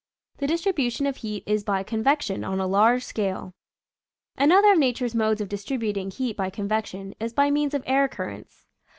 The distribution of heat is by con vection on a large scale. Another of nature's modes of distributing heat by convection is by means of air currents.